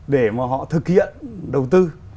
để mà họ thực hiện đầu tư